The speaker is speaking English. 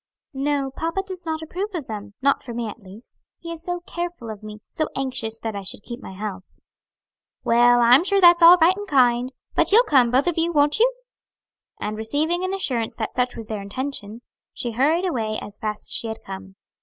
"No, papa does not approve of them; not for me at least. He is so careful of me, so anxious that I should keep my health." "Well, I'm sure that's all right and kind. But you'll come, both of you, won't you?" And receiving an assurance that such was their intention, she hurried away as fast as she had come.